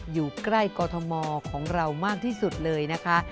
อยู่ใกล้กรทมของเรามากที่สุดเลยนะคะ